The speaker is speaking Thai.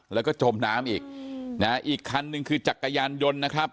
แล้วก็จมน้ำอีกนะฮะอีกคันหนึ่งคือจักรยานยนต์นะครับ